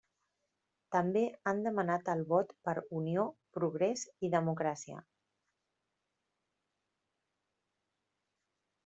També han demanat el vot per Unió, Progrés i Democràcia.